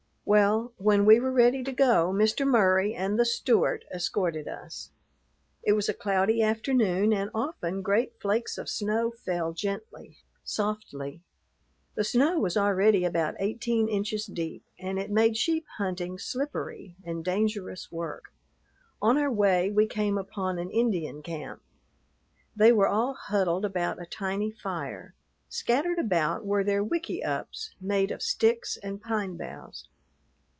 Well, when we were ready to go, Mr. Murry and the Stewart escorted us. It was a cloudy afternoon and often great flakes of snow fell gently, softly. The snow was already about eighteen inches deep, and it made sheep hunting slippery and dangerous work. On our way we came upon an Indian camp. They were all huddled about a tiny fire; scattered about were their wikiups made of sticks and pine boughs.